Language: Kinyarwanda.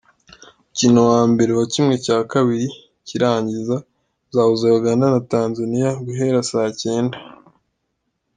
Umukino wa mbere wa ½ cy’irangiza uzahuza Uganda na Tanzania guhera saa cyenda.